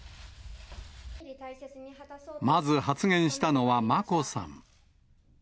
まず発言したのは眞子さん。